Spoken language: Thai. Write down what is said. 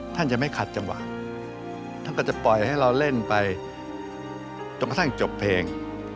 ท่านจะไม่ขัดจังหวะท่านก็จะปล่อยให้เราเล่นไปจนกระทั่งจบเพลง